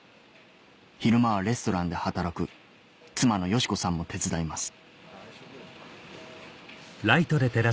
昼間はレストランで働く妻の喜子さんも手伝います０１５１。